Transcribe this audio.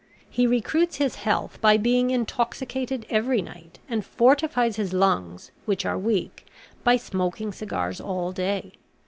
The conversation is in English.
He recruits his health by being intoxicated every night, and fortifies his lungs, which are weak, by smoking cigars all day.